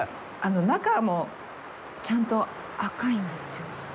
中もちゃんと赤いんですよ。